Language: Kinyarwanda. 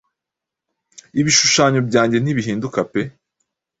Ibishushanyo byanjye ntibihinduka pe